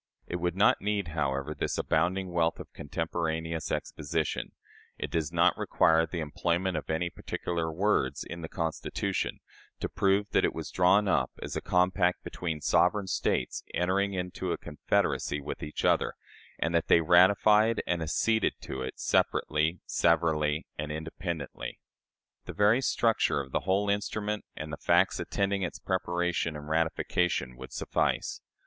It would not need, however, this abounding wealth of contemporaneous exposition it does not require the employment of any particular words in the Constitution to prove that it was drawn up as a compact between sovereign States entering into a confederacy with each other, and that they ratified and acceded to it separately, severally, and independently. The very structure of the whole instrument and the facts attending its preparation and ratification would suffice.